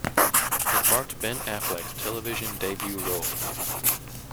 It marked Ben Affleck's television debut role.